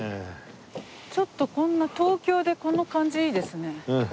ちょっとこんな東京でこの感じいいですね。